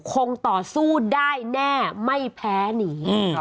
คงต่อสู้ได้แน่ไม่แพ้หนี